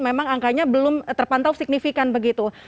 memang angkanya belum terpantau signifikan begitu